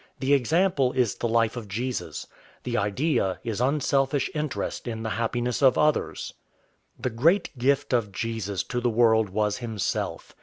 The example is the life of Jesus. The idea is unselfish interest in the happiness of others. The great gift of Jesus to the world was himself.